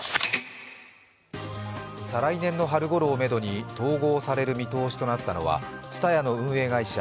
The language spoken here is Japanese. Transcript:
再来年の春ごろをめどに統合される見通しとなったのはＴＳＵＴＡＹＡの運営会社